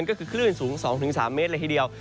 ก็คือคลื่นสูง๒๓เมตรเลยทีเดียว